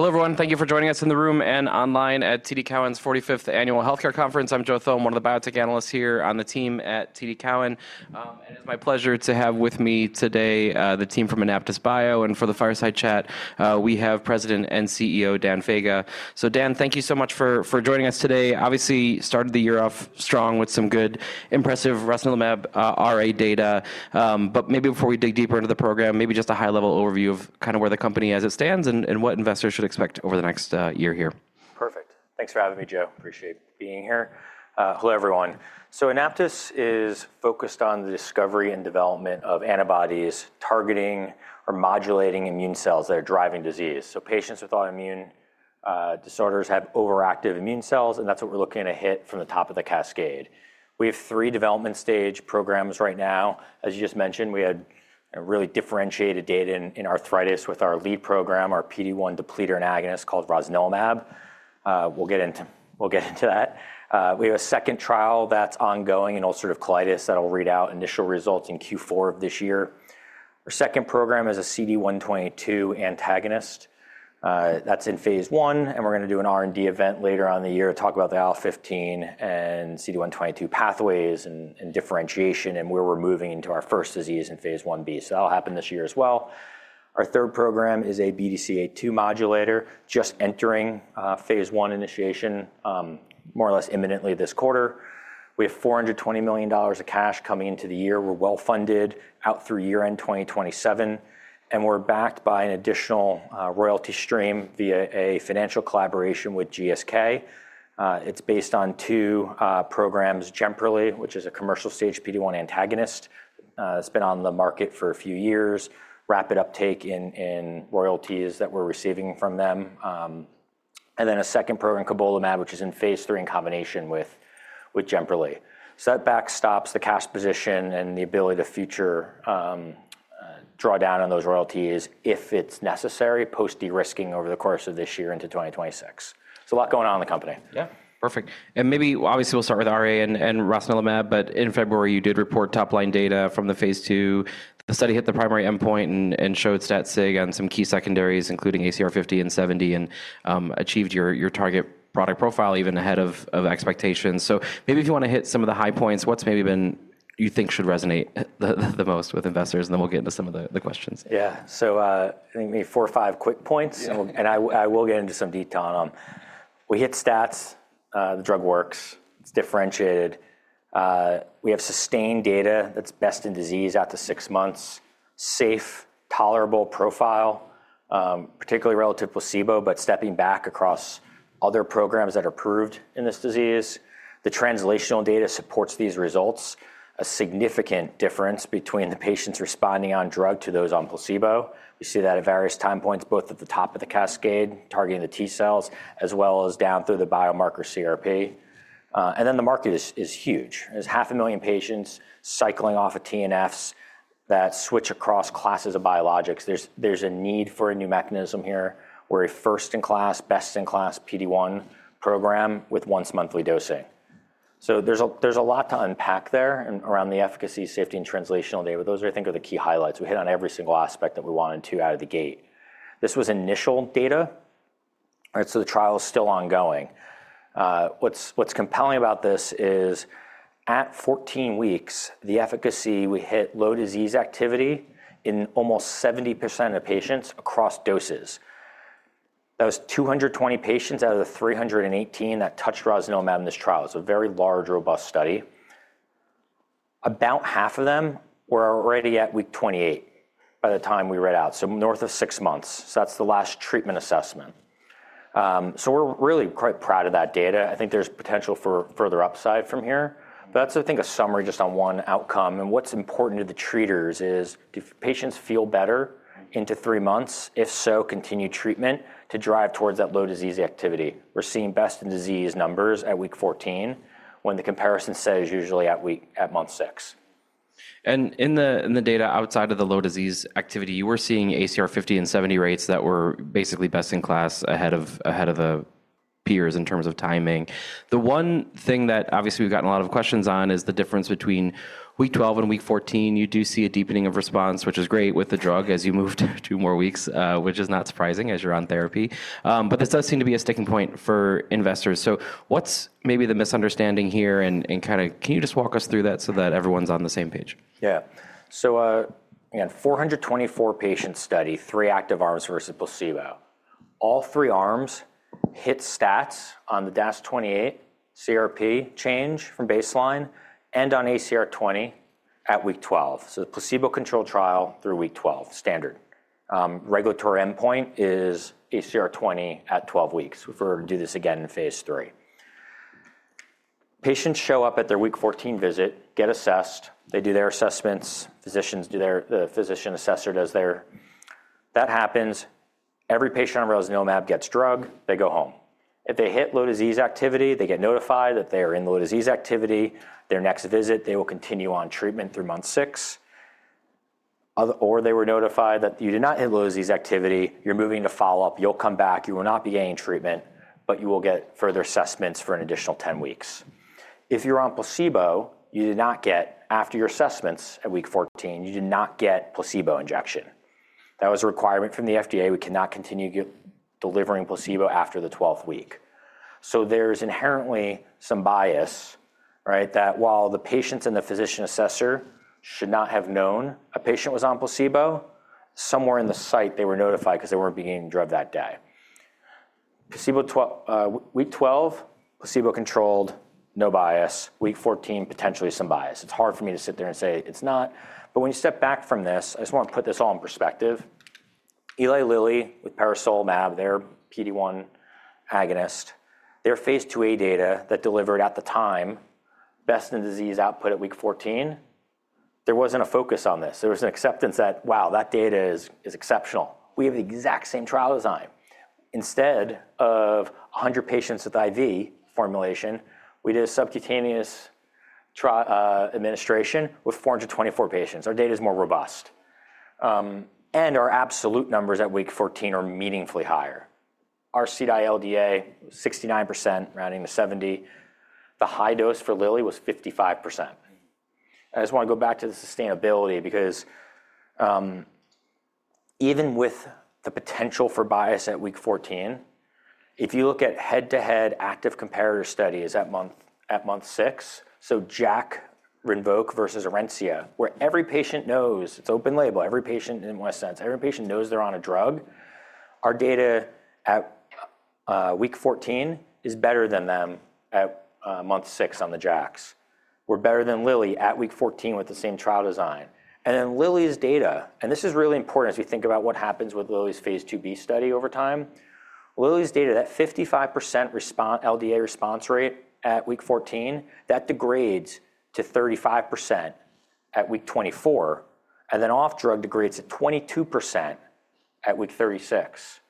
Hello, everyone. Thank you for joining us in the room and online at TD Cowen's 45th Annual Healthcare Conference. I'm Joe Thome, one of the biotech analysts here on the team at TD Cowen. It's my pleasure to have with me today the team from AnaptysBio. For the fireside chat, we have President and CEO Dan Faga. Dan, thank you so much for joining us today. Obviously, you started the year off strong with some good, impressive Rosnilimab RA data. Maybe before we dig deeper into the program, just a high-level overview of kind of where the company is as it stands and what investors should expect over the next year here. Perfect. Thanks for having me, Joe. Appreciate being here. Hello, everyone. AnaptysBio is focused on the discovery and development of antibodies targeting or modulating immune cells that are driving disease. Patients with autoimmune disorders have overactive immune cells, and that's what we're looking to hit from the top of the cascade. We have three development stage programs right now. As you just mentioned, we had really differentiated data in arthritis with our lead program, our PD-1 depletor antagonist called Rosnilimab. We'll get into that. We have a second trial that's ongoing in ulcerative colitis that'll read out initial results in Q4 of this year. Our second program is a CD122 antagonist. That's in phase I, and we're going to do an R&D event later on in the year to talk about the IL-15 and CD122 pathways and differentiation. We're moving into our first disease in phase I B. That'll happen this year as well. Our third program is a BDCA2 modulator just entering phase one initiation more or less imminently this quarter. We have $420 million of cash coming into the year. We're well funded out through year-end 2027. We're backed by an additional royalty stream via a financial collaboration with GSK. It's based on two programs, Jemperli, which is a commercial stage PD-1 antagonist. It's been on the market for a few years, rapid uptake in royalties that we're receiving from them. Then a second program, Cobolimab, which is in phase three in combination with Jemperli. That backstops the cash position and the ability to future draw down on those royalties if it's necessary post-de-risking over the course of this year into 2026. A lot going on in the company. Yeah, perfect. Maybe, obviously, we'll start with RA and Rosnilimab, but in February, you did report top-line data from the phase two. The study hit the primary endpoint and showed stat-sig on some key secondaries, including ACR 50 and 70, and achieved your target product profile even ahead of expectations. Maybe if you want to hit some of the high points, what's maybe been you think should resonate the most with investors? Then we'll get into some of the questions. Yeah, so I think maybe four or five quick points, and I will get into some detail on them. We hit stats. The drug works. It's differentiated. We have sustained data that's best in disease after six months, safe, tolerable profile, particularly relative to placebo, but stepping back across other programs that are approved in this disease. The translational data supports these results. A significant difference between the patients responding on drug to those on placebo. We see that at various time points, both at the top of the cascade, targeting the T cells, as well as down through the biomarker CRP. The market is huge. There's 500,000 patients cycling off of TNFs that switch across classes of biologics. There's a need for a new mechanism here where a first-in-class, best-in-class PD-1 program with once-monthly dosing. There is a lot to unpack there around the efficacy, safety, and translational data. Those are, I think, the key highlights. We hit on every single aspect that we wanted to out of the gate. This was initial data, so the trial is still ongoing. What is compelling about this is at 14 weeks, the efficacy we hit low disease activity in almost 70% of patients across doses. That was 220 patients out of the 318 that touched rosnilimab in this trial. It is a very large, robust study. About half of them were already at week 28 by the time we read out, so north of six months. That is the last treatment assessment. We are really quite proud of that data. I think there is potential for further upside from here. That is, I think, a summary just on one outcome. What's important to the treaters is do patients feel better into three months? If so, continue treatment to drive towards that low disease activity. We're seeing best-in-disease numbers at week 14, when the comparison says usually at month six. In the data outside of the low disease activity, you were seeing ACR 50 and 70 rates that were basically best-in-class ahead of the peers in terms of timing. The one thing that obviously we've gotten a lot of questions on is the difference between week 12 and week 14. You do see a deepening of response, which is great with the drug as you move two more weeks, which is not surprising as you're on therapy. This does seem to be a sticking point for investors. What's maybe the misunderstanding here? Can you just walk us through that so that everyone's on the same page? Yeah. So again, 424 patient study, three active arms versus placebo. All three arms hit stats on the DAS-28-CRP change from baseline and on ACR 20 at week 12. The placebo-controlled trial through week 12, standard. Regulatory endpoint is ACR 20 at 12 weeks. We've heard to do this again in phase III. Patients show up at their week 14 visit, get assessed. They do their assessments. The physician assessor does their that happens. Every patient on Rosnilimab gets drug. They go home. If they hit low disease activity, they get notified that they are in low disease activity. Their next visit, they will continue on treatment through month six. Or they were notified that you did not hit low disease activity. You're moving to follow-up. You'll come back. You will not be getting treatment, but you will get further assessments for an additional 10 weeks. If you're on placebo, you did not get after your assessments at week 14, you did not get placebo injection. That was a requirement from the FDA. We cannot continue delivering placebo after the 12th week. There is inherently some bias that while the patients and the physician assessor should not have known a patient was on placebo, somewhere in the site they were notified because they were not beginning drug that day. Week 12, placebo-controlled, no bias. Week 14, potentially some bias. It's hard for me to sit there and say it's not. When you step back from this, I just want to put this all in perspective. Eli Lilly with ParasolMab, their PD-1 agonist, their phase II A data that delivered at the time best-in-disease output at week 14, there was not a focus on this. There was an acceptance that, wow, that data is exceptional. We have the exact same trial design. Instead of 100 patients with IV formulation, we did a subcutaneous administration with 424 patients. Our data is more robust. And our absolute numbers at week 14 are meaningfully higher. Our CDA LDA was 69%, rounding to 70%. The high dose for Lilly was 55%. I just want to go back to the sustainability because even with the potential for bias at week 14, if you look at head-to-head active comparator studies at month six, so JAK, Rinvoq versus Orencia, where every patient knows it's open label, every patient in West Sans, every patient knows they're on a drug, our data at week 14 is better than them at month six on the JAKs. We're better than Lilly at week 14 with the same trial design. Lilly's data, and this is really important as we think about what happens with Lilly's phase IIB study over time. Lilly's data, that 55% LDA response rate at week 14, that degrades to 35% at week 24. Off drug degrades to 22% at week 36.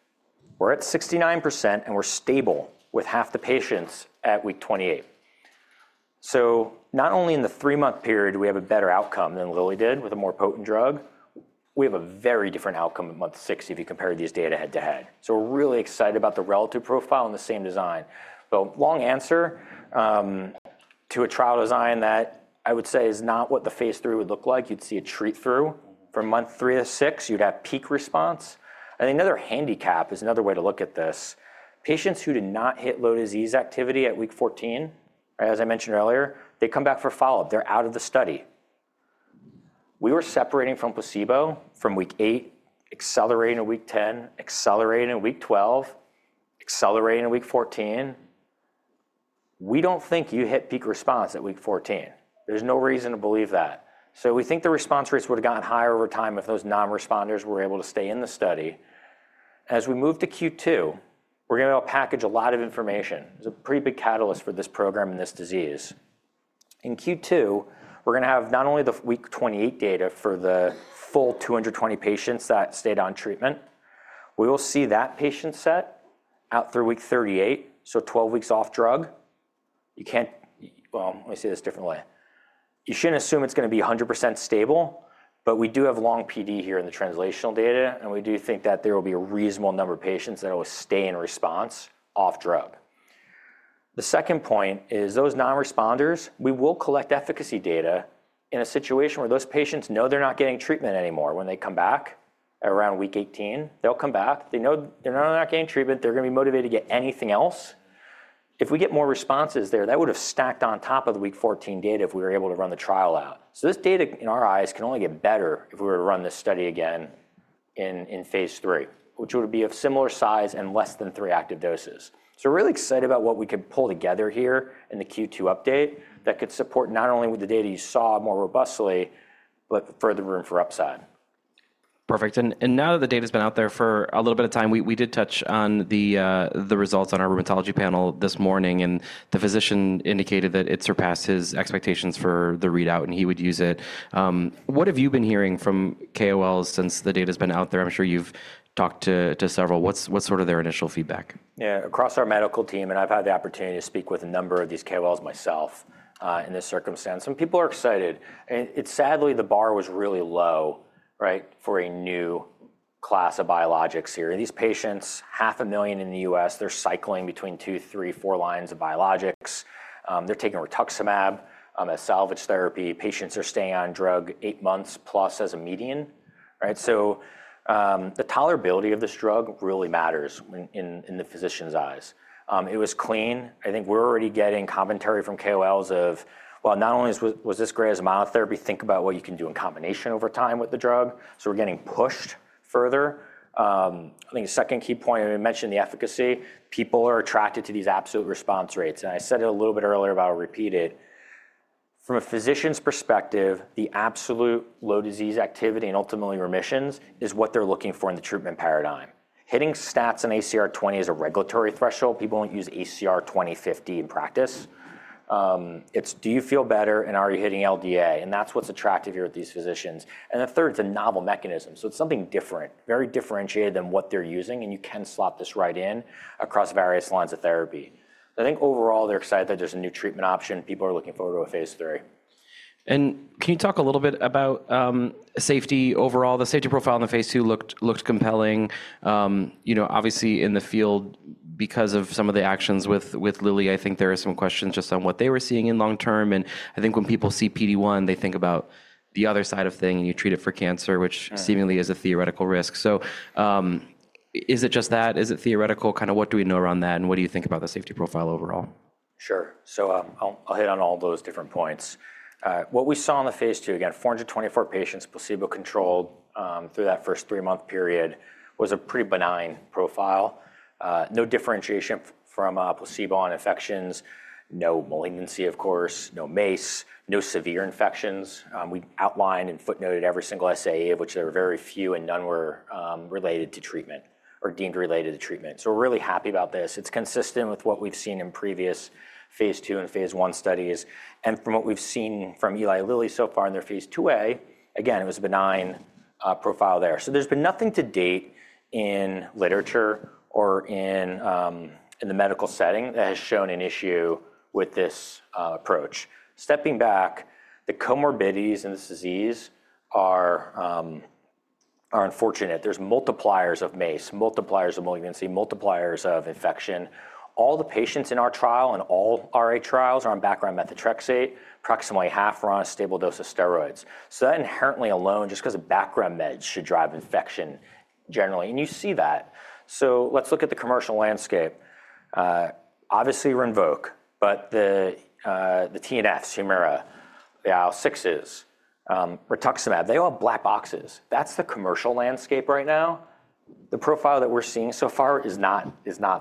We're at 69%, and we're stable with half the patients at week 28. Not only in the three-month period, we have a better outcome than Lilly did with a more potent drug. We have a very different outcome at month six if you compare these data head-to-head. We're really excited about the relative profile and the same design. Long answer to a trial design that I would say is not what the phase three would look like. You'd see a treat through from month three to six. You'd have peak response. Another handicap is another way to look at this. Patients who did not hit low disease activity at week 14, as I mentioned earlier, they come back for follow-up. They're out of the study. We were separating from placebo from week eight, accelerating in week 10, accelerating in week 12, accelerating in week 14. We don't think you hit peak response at week 14. There's no reason to believe that. We think the response rates would have gotten higher over time if those non-responders were able to stay in the study. As we move to Q2, we're going to package a lot of information. It's a pretty big catalyst for this program and this disease. In Q2, we're going to have not only the week 28 data for the full 220 patients that stayed on treatment. We will see that patient set out through week 38, so 12 weeks off drug. Let me say this a different way. You shouldn't assume it's going to be 100% stable, but we do have long PD here in the translational data, and we do think that there will be a reasonable number of patients that will stay in response off drug. The second point is those non-responders, we will collect efficacy data in a situation where those patients know they're not getting treatment anymore when they come back around week 18. They'll come back. They know they're not getting treatment. They're going to be motivated to get anything else. If we get more responses there, that would have stacked on top of the week 14 data if we were able to run the trial out. This data in our eyes can only get better if we were to run this study again in phase three, which would be of similar size and less than three active doses. We are really excited about what we could pull together here in the Q2 update that could support not only the data you saw more robustly, but further room for upside. Perfect. Now that the data has been out there for a little bit of time, we did touch on the results on our rheumatology panel this morning, and the physician indicated that it surpassed his expectations for the readout, and he would use it. What have you been hearing from KOLs since the data has been out there? I'm sure you've talked to several. What's sort of their initial feedback? Yeah, across our medical team, and I've had the opportunity to speak with a number of these KOLs myself in this circumstance, some people are excited. Sadly, the bar was really low for a new class of biologics here. These patients, 500,000 in the U.S., they're cycling between two, three, four lines of biologics. They're taking rituximab as salvage therapy. Patients are staying on drug eight months plus as a median. The tolerability of this drug really matters in the physician's eyes. It was clean. I think we're already getting commentary from KOLs of, well, not only was this great as a monotherapy, think about what you can do in combination over time with the drug. We're getting pushed further. I think the second key point, and I mentioned the efficacy, people are attracted to these absolute response rates. I said it a little bit earlier, but I'll repeat it. From a physician's perspective, the absolute low disease activity and ultimately remissions is what they're looking for in the treatment paradigm. Hitting stats on ACR 20 is a regulatory threshold. People won't use ACR 20, 50 in practice. It's, do you feel better and are you hitting LDA? That's what's attractive here with these physicians. The third is a novel mechanism. It's something different, very differentiated than what they're using, and you can slot this right in across various lines of therapy. I think overall, they're excited that there's a new treatment option. People are looking forward to a phase III. Can you talk a little bit about safety overall? The safety profile in the phase II looked compelling. Obviously, in the field, because of some of the actions with Lilly, I think there are some questions just on what they were seeing in long term. I think when people see PD-1, they think about the other side of things, and you treat it for cancer, which seemingly is a theoretical risk. Is it just that? Is it theoretical? Kind of what do we know around that, and what do you think about the safety profile overall? Sure. I'll hit on all those different points. What we saw in the phase II, again, 424 patients placebo-controlled through that first three-month period was a pretty benign profile. No differentiation from placebo on infections. No malignancy, of course. No MACE. No severe infections. We outlined and footnoted every single SAE, of which there were very few, and none were related to treatment or deemed related to treatment. We're really happy about this. It's consistent with what we've seen in previous phase II and phase I studies. From what we've seen from Eli Lilly so far in their phase II A, again, it was a benign profile there. There's been nothing to date in literature or in the medical setting that has shown an issue with this approach. Stepping back, the comorbidities in this disease are unfortunate. There's multipliers of MACE, multipliers of malignancy, multipliers of infection. All the patients in our trial and all RA trials are on background methotrexate, approximately half are on a stable dose of steroids. That inherently alone, just because of background meds, should drive infection generally. You see that. Let's look at the commercial landscape. Obviously, Rinvoq, but the TNFs, Humira, the IL-6s, rituximab, they're all black boxes. That's the commercial landscape right now. The profile that we're seeing so far is not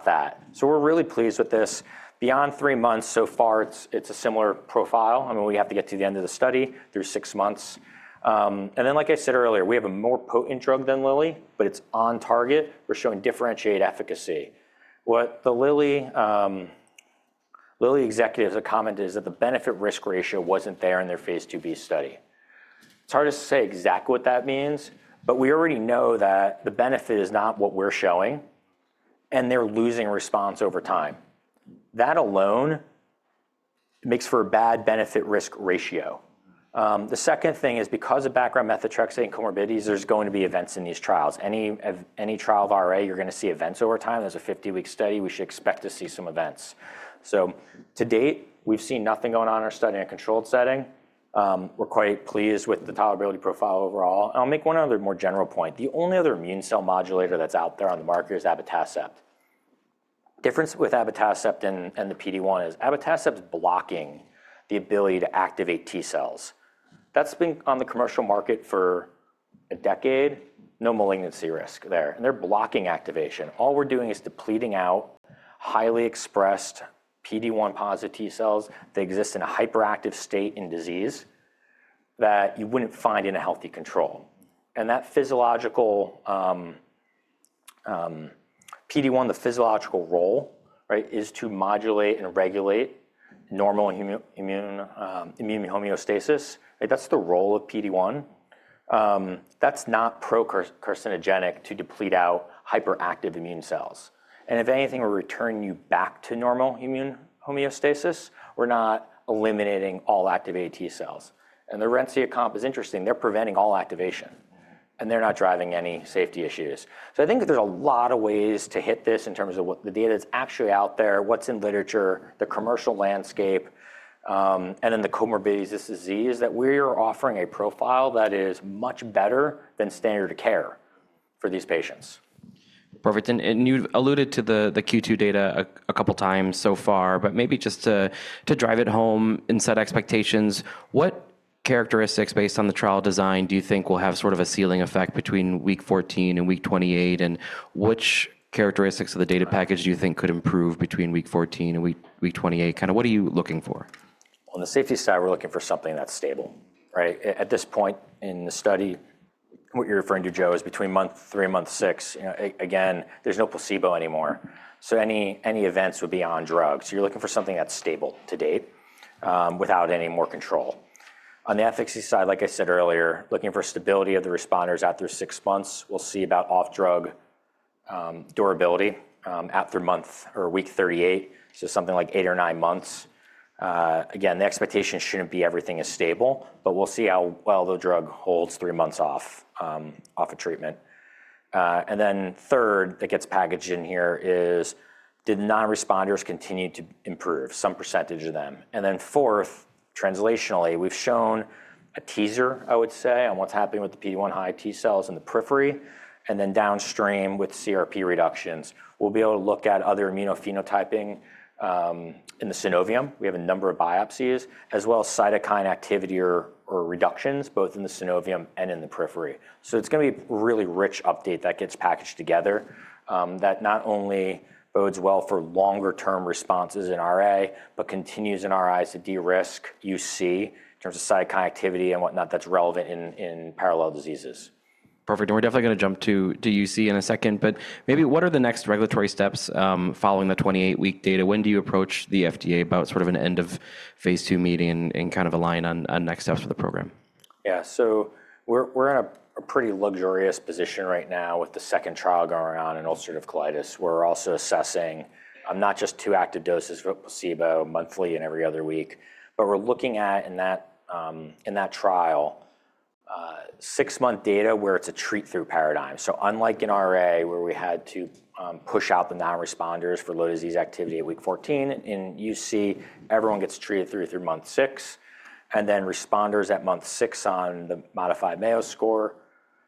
that. We're really pleased with this. Beyond three months so far, it's a similar profile. I mean, we have to get to the end of the study. There's six months. Like I said earlier, we have a more potent drug than Lilly, but it's on target. We're showing differentiated efficacy. What the Lilly executives have commented is that the benefit-risk ratio wasn't there in their phase II B study. It's hard to say exactly what that means, but we already know that the benefit is not what we're showing, and they're losing response over time. That alone makes for a bad benefit-risk ratio. The second thing is because of background methotrexate and comorbidities, there's going to be events in these trials. Any trial of RA, you're going to see events over time. There's a 50-week study. We should expect to see some events. To date, we've seen nothing going on in our study in a controlled setting. We're quite pleased with the tolerability profile overall. I'll make one other more general point. The only other immune cell modulator that's out there on the market is abatacept. The difference with abatacept and the PD-1 is abatacept is blocking the ability to activate T cells. That's been on the commercial market for a decade. No malignancy risk there. They're blocking activation. All we're doing is depleting out highly expressed PD-1-positive T cells. They exist in a hyperactive state in disease that you wouldn't find in a healthy control. That physiological PD-1, the physiological role is to modulate and regulate normal immune homeostasis. That's the role of PD-1. That's not procarcinogenic to deplete out hyperactive immune cells. If anything, we're returning you back to normal immune homeostasis. We're not eliminating all activated T cells. The Orencia comp is interesting. They're preventing all activation, and they're not driving any safety issues. I think that there's a lot of ways to hit this in terms of the data that's actually out there, what's in literature, the commercial landscape, and then the comorbidities of this disease that we are offering a profile that is much better than standard of care for these patients. Perfect. You alluded to the Q2 data a couple of times so far, but maybe just to drive it home and set expectations, what characteristics based on the trial design do you think will have sort of a ceiling effect between week 14 and week 28? Which characteristics of the data package do you think could improve between week 14 and week 28? Kind of what are you looking for? On the safety side, we're looking for something that's stable. At this point in the study, what you're referring to, Joe, is between month three and month six. Again, there's no placebo anymore. So any events would be on drug. You're looking for something that's stable to date without any more control. On the efficacy side, like I said earlier, looking for stability of the responders after six months. We'll see about off-drug durability after month or week 38, so something like eight or nine months. The expectation shouldn't be everything is stable, but we'll see how well the drug holds three months off of treatment. Third, that gets packaged in here is, did non-responders continue to improve, some percentage of them? Fourth, translationally, we've shown a teaser, I would say, on what's happening with the PD-1 high T cells in the periphery. Downstream with CRP reductions, we'll be able to look at other immunophenotyping in the synovium. We have a number of biopsies, as well as cytokine activity or reductions, both in the synovium and in the periphery. It is going to be a really rich update that gets packaged together that not only bodes well for longer-term responses in RA, but continues in our eyes to de-risk UC in terms of cytokine activity and whatnot that's relevant in parallel diseases. Perfect. We're definitely going to jump to UC in a second. Maybe what are the next regulatory steps following the 28-week data? When do you approach the FDA about sort of an end of phase two meeting and kind of align on next steps for the program? Yeah. We're in a pretty luxurious position right now with the second trial going on in ulcerative colitis. We're also assessing not just two active doses of placebo monthly and every other week, but we're looking at in that trial six-month data where it's a treat-through paradigm. Unlike in RA where we had to push out the non-responders for low disease activity at week 14, in UC, everyone gets treated through month six. Responders at month six on the modified Mayo score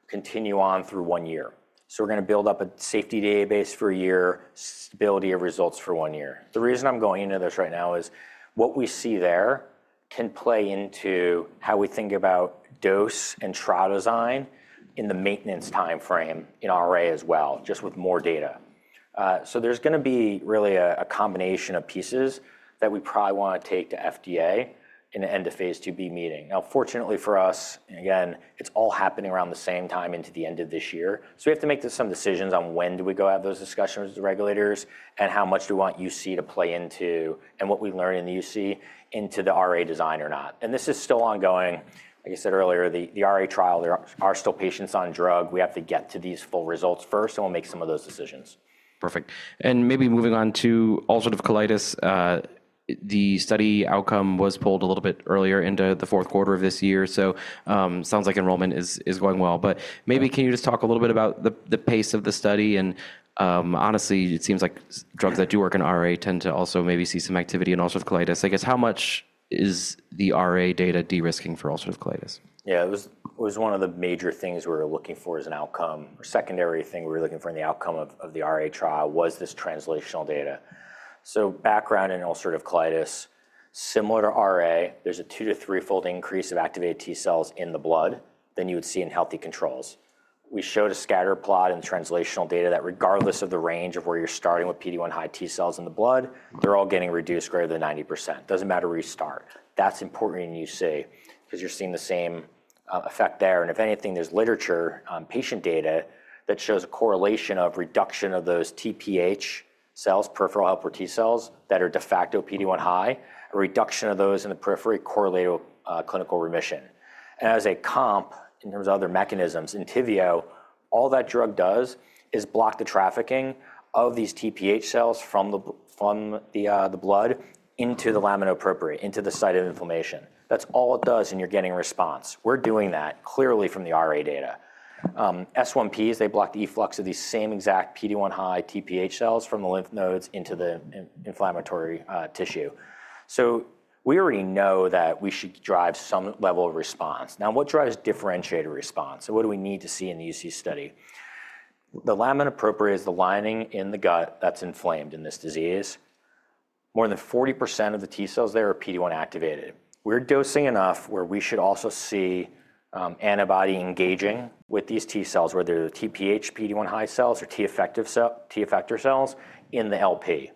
continue on through one year. We're going to build up a safety database for a year, stability of results for one year. The reason I'm going into this right now is what we see there can play into how we think about dose and trial design in the maintenance time frame in RA as well, just with more data. There is going to be really a combination of pieces that we probably want to take to FDA in the end of phase two B meeting. Now, fortunately for us, again, it is all happening around the same time into the end of this year. We have to make some decisions on when do we go have those discussions with the regulators and how much do we want UC to play into and what we learn in the UC into the RA design or not. This is still ongoing. Like I said earlier, the RA trial, there are still patients on drug. We have to get to these full results first, and we will make some of those decisions. Perfect. Maybe moving on to ulcerative colitis, the study outcome was pulled a little bit earlier into the fourth quarter of this year. It sounds like enrollment is going well. Maybe can you just talk a little bit about the pace of the study? Honestly, it seems like drugs that do work in RA tend to also maybe see some activity in ulcerative colitis. I guess how much is the RA data de-risking for ulcerative colitis? Yeah. It was one of the major things we were looking for as an outcome. Secondary thing we were looking for in the outcome of the RA trial was this translational data. Background in ulcerative colitis, similar to RA, there's a two- to three-fold increase of activated T cells in the blood than you would see in healthy controls. We showed a scatter plot in translational data that regardless of the range of where you're starting with PD-1 high T cells in the blood, they're all getting reduced greater than 90%. Doesn't matter where you start. That's important in UC because you're seeing the same effect there. If anything, there's literature, patient data that shows a correlation of reduction of those TPH cells, peripheral helper T cells that are de facto PD-1 high, a reduction of those in the periphery correlated with clinical remission. As a comp in terms of other mechanisms, Entyvio, all that drug does is block the trafficking of these TPH cells from the blood into the lamina propria, into the site of inflammation. That is all it does, and you are getting a response. We are doing that clearly from the RA data. S1Ps, they block the efflux of these same exact PD-1 high TPH cells from the lymph nodes into the inflammatory tissue. We already know that we should drive some level of response. Now, what drives differentiated response? What do we need to see in the UC study? The lamina propria is the lining in the gut that is inflamed in this disease. More than 40% of the T cells there are PD-1 activated. We are dosing enough where we should also see antibody engaging with these T cells, whether they are TPH, PD-1 high cells, or T effector cells in the LP.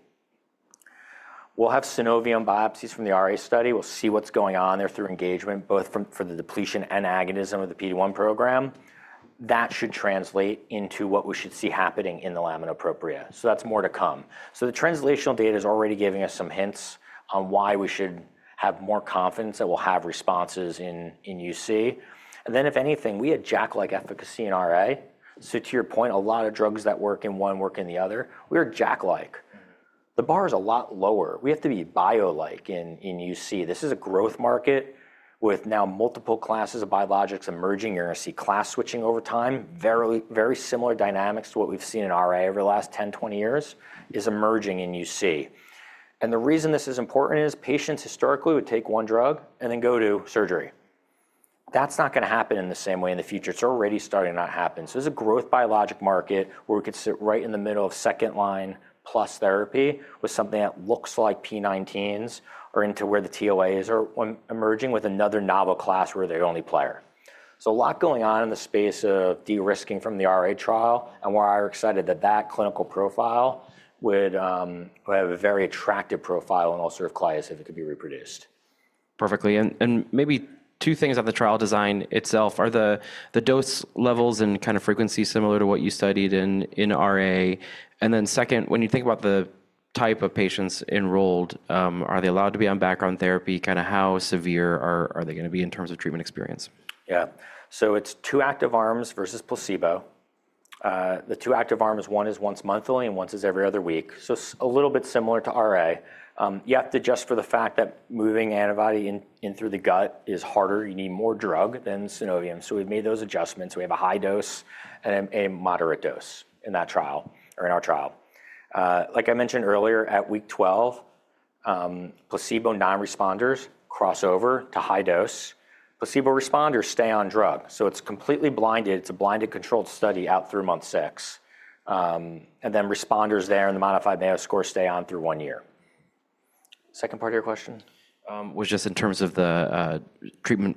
We'll have synovium biopsies from the RA study. We'll see what's going on there through engagement, both for the depletion and agonism of the PD-1 program. That should translate into what we should see happening in the lamina propria. That is more to come. The translational data is already giving us some hints on why we should have more confidence that we'll have responses in UC. If anything, we had JAK-like efficacy in RA. To your point, a lot of drugs that work in one work in the other. We are JAK-like. The bar is a lot lower. We have to be bio-like in UC. This is a growth market with now multiple classes of biologics emerging. You're going to see class switching over time. Very similar dynamics to what we've seen in RA over the last 10-20 years is emerging in UC. The reason this is important is patients historically would take one drug and then go to surgery. That's not going to happen in the same way in the future. It's already starting to not happen. It is a growth biologic market where we could sit right in the middle of second line plus therapy with something that looks like P19s or into where the TOAs are emerging with another novel class where they're the only player. There is a lot going on in the space of de-risking from the RA trial and why I'm excited that that clinical profile would have a very attractive profile in ulcerative colitis if it could be reproduced. Perfectly. Maybe two things on the trial design itself. Are the dose levels and kind of frequency similar to what you studied in RA? Then second, when you think about the type of patients enrolled, are they allowed to be on background therapy? Kind of how severe are they going to be in terms of treatment experience? Yeah. It is two active arms versus placebo. The two active arms, one is once monthly and one is every other week. A little bit similar to RA. You have to adjust for the fact that moving antibody in through the gut is harder. You need more drug than synovium. We have made those adjustments. We have a high dose and a moderate dose in that trial or in our trial. Like I mentioned earlier, at week 12, placebo non-responders cross over to high dose. Placebo responders stay on drug. It is completely blinded. It is a blinded controlled study out through month six. Responders there in the modified Mayo score stay on through one year. Second part of your question? Was just in terms of the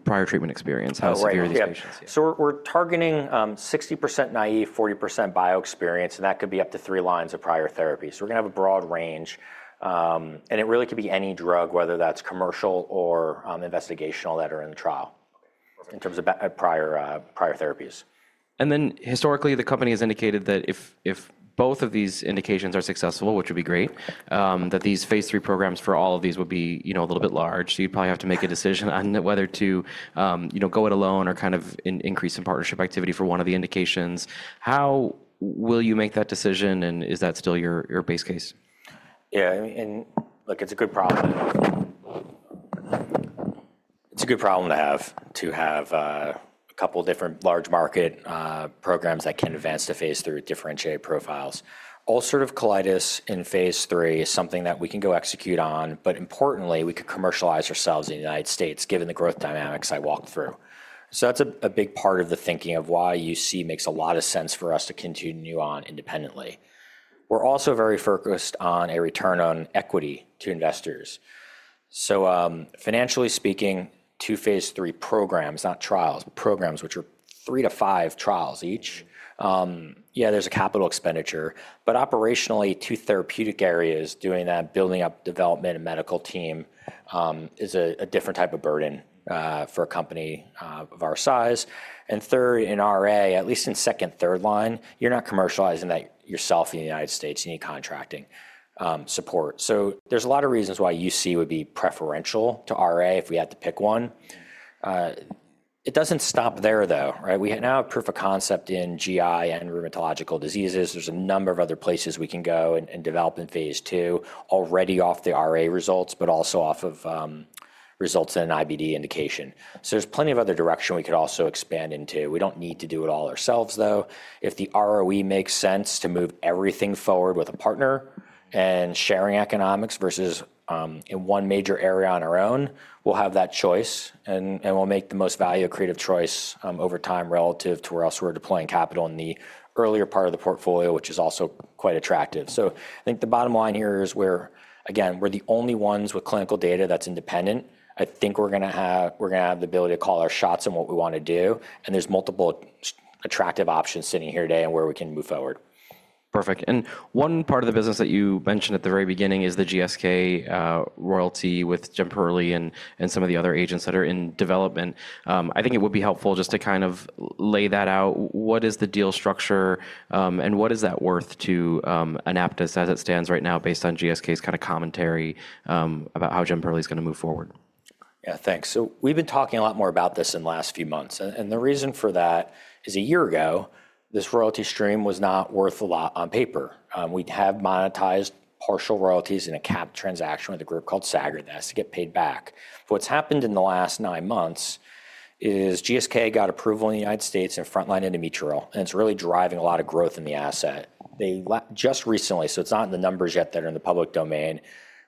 prior treatment experience. How severe are these patients? We're targeting 60% naive, 40% bio experience, and that could be up to three lines of prior therapy. We're going to have a broad range. It really could be any drug, whether that's commercial or investigational, that are in the trial in terms of prior therapies. Historically, the company has indicated that if both of these indications are successful, which would be great, that these phase III programs for all of these would be a little bit large. You'd probably have to make a decision on whether to go it alone or kind of increase in partnership activity for one of the indications. How will you make that decision, and is that still your base case? Yeah. Look, it's a good problem to have to have a couple of different large market programs that can advance to phase three through differentiated profiles. Ulcerative colitis in phase III is something that we can go execute on, but importantly, we could commercialize ourselves in the United States given the growth dynamics I walked through. That's a big part of the thinking of why UC makes a lot of sense for us to continue on independently. We're also very focused on a return on equity to investors. Financially speaking, two phase III programs, not trials, but programs which are three to five trials each, there's a capital expenditure. Operationally, two therapeutic areas doing that, building up development and medical team is a different type of burden for a company of our size. Third, in RA, at least in second, third line, you're not commercializing that yourself in the United States. You need contracting support. There are a lot of reasons why UC would be preferential to RA if we had to pick one. It does not stop there, though. We now have proof of concept in GI and rheumatological diseases. There are a number of other places we can go and develop in phase II already off the RA results, but also off of results in an IBD indication. There is plenty of other direction we could also expand into. We do not need to do it all ourselves, though. If the ROE makes sense to move everything forward with a partner and sharing economics versus in one major area on our own, we'll have that choice and we'll make the most value accretive choice over time relative to where else we're deploying capital in the earlier part of the portfolio, which is also quite attractive. I think the bottom line here is where, again, we're the only ones with clinical data that's independent. I think we're going to have the ability to call our shots in what we want to do. There are multiple attractive options sitting here today and where we can move forward. Perfect. One part of the business that you mentioned at the very beginning is the GSK royalty with Jemperli and some of the other agents that are in development. I think it would be helpful just to kind of lay that out. What is the deal structure and what is that worth to Anaptys as it stands right now based on GSK's kind of commentary about how Jemperli is going to move forward? Yeah, thanks. We've been talking a lot more about this in the last few months. The reason for that is a year ago, this royalty stream was not worth a lot on paper. We'd have monetized partial royalties in a capped transaction with a group called Sagard that has to get paid back. What's happened in the last nine months is GSK got approval in the United States in frontline endometrial, and it's really driving a lot of growth in the asset. They just recently, so it's not in the numbers yet that are in the public domain,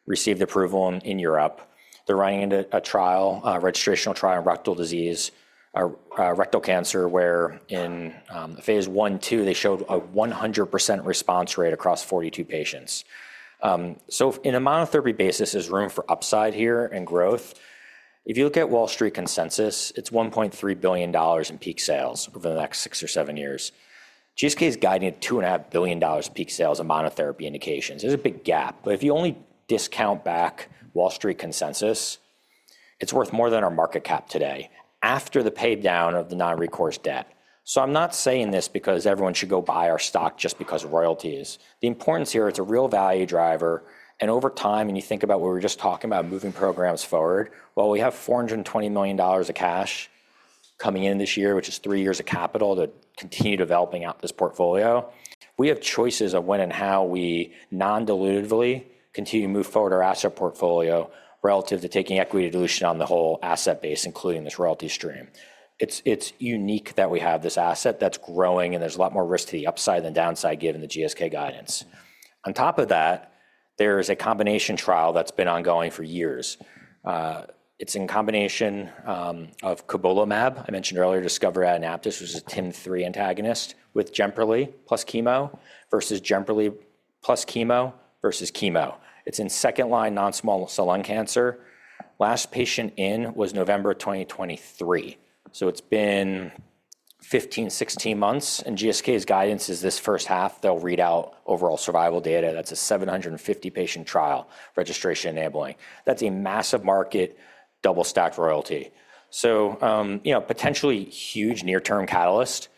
received approval in Europe. They're running into a registrational trial in rectal disease, rectal cancer, where in phase one two, they showed a 100% response rate across 42 patients. In a monotherapy basis, there's room for upside here and growth. If you look at Wall Street Consensus, it's $1.3 billion in peak sales over the next six or seven years. GSK is guiding at $2.5 billion in peak sales in monotherapy indications. There's a big gap. If you only discount back Wall Street Consensus, it's worth more than our market cap today after the paydown of the non-recourse debt. I'm not saying this because everyone should go buy our stock just because of royalties. The importance here, it's a real value driver. Over time, when you think about what we were just talking about moving programs forward, while we have $420 million of cash coming in this year, which is three years of capital to continue developing out this portfolio, we have choices of when and how we non-dilutively continue to move forward our asset portfolio relative to taking equity dilution on the whole asset base, including this royalty stream. It's unique that we have this asset that's growing, and there's a lot more risk to the upside than downside given the GSK guidance. On top of that, there's a combination trial that's been ongoing for years. It's in combination of cobolimab, I mentioned earlier, discovered at AnaptysBio, which is a TIM-3 antagonist with Jemperli plus chemo versus Jemperli plus chemo versus chemo. It's in second line non-small cell lung cancer. Last patient in was November 2023. It's been 15, 16 months, and GSK's guidance is this first half, they'll read out overall survival data. That's a 750-patient trial registration enabling. That's a massive market double-stacked royalty. Potentially huge near-term catalyst,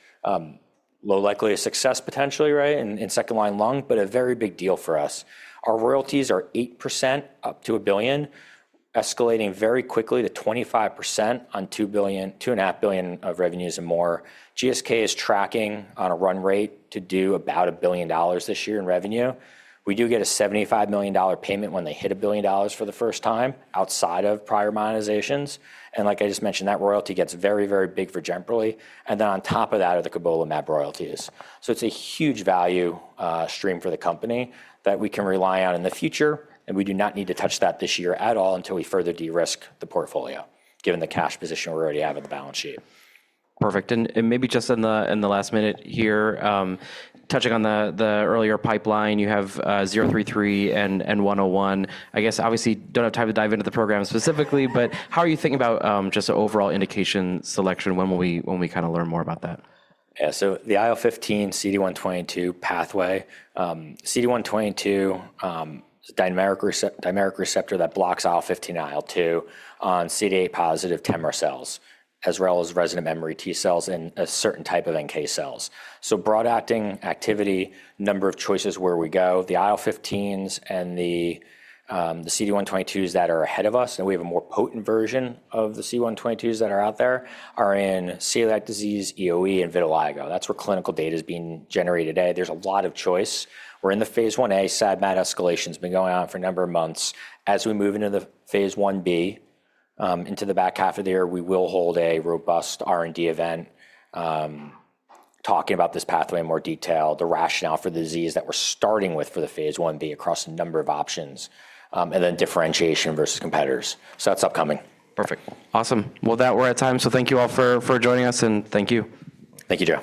low likelihood of success potentially in second line lung, but a very big deal for us. Our royalties are 8% up to $1 billion, escalating very quickly to 25% on $2.5 billion of revenues and more. GSK is tracking on a run rate to do about $1 billion this year in revenue. We do get a $75 million payment when they hit $1 billion for the first time outside of prior monetizations. Like I just mentioned, that royalty gets very, very big for Jemperli. On top of that are the cobolimab royalties. It's a huge value stream for the company that we can rely on in the future, and we do not need to touch that this year at all until we further de-risk the portfolio given the cash position we already have at the balance sheet. Perfect. Maybe just in the last minute here, touching on the earlier pipeline, you have 033 and 101. I guess obviously do not have time to dive into the program specifically, but how are you thinking about just an overall indication selection? When will we kind of learn more about that? Yeah. The IL-15 CD122 pathway, CD122 dynamic receptor that blocks IL-15 and IL-2 on CD8 positive Temra cells as well as resident and memory T cells and a certain type of NK cells. Broad acting activity, number of choices where we go. The IL-15s and the CD122s that are ahead of us, and we have a more potent version of the CD122s that are out there, are in celiac disease, EOE, and vitiligo. That's where clinical data is being generated today. There's a lot of choice. We're in the phase one A, SAD/MAD escalation has been going on for a number of months. As we move into the phase one B, into the back half of the year, we will hold a robust R&D event talking about this pathway in more detail, the rationale for the disease that we're starting with for the phase one B across a number of options, and then differentiation versus competitors. That is upcoming. Perfect. Awesome. That we're at time. Thank you all for joining us, and thank you. Thank you, Joe.